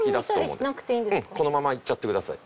うんこのままいっちゃってください。